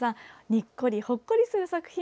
にっこり、ほっこりする作品